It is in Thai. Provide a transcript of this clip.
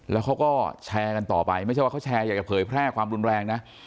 แล้วเขาก็แชร์กันต่อไปไม่ใช่ว่าเขาแชร์อยากจะเผยแพร่ความรุนแรงนะ